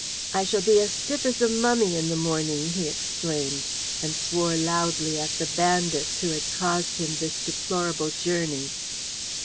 "I shall be as stiff as a mummy in the morning," he exclaimed, and swore loudly at "the bandits" who had caused him this deplorable journey.